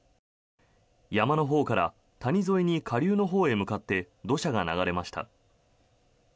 山のほうから谷沿いに下流のほうへ向かって土砂が流れました。